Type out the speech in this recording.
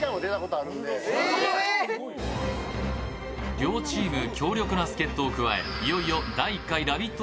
両チーム強力な助っとを加え、いよいよ第１回ラヴィット！